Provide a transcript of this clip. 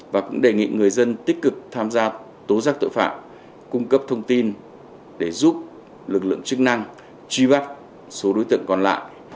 và cũng đề nghị người dân tích cực tham gia tố giác tội phạm cung cấp thông tin để giúp lực lượng chức năng truy bắt số đối tượng còn lại